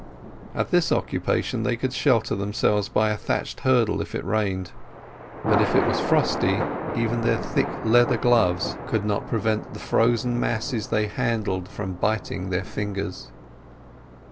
At this occupation they could shelter themselves by a thatched hurdle if it rained; but if it was frosty even their thick leather gloves could not prevent the frozen masses they handled from biting their fingers.